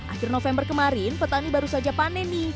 akhir november kemarin petani baru saja paneni